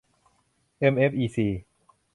เอ็ม เอฟ อี ซี